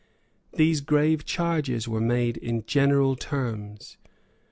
These grave charges were made in general terms.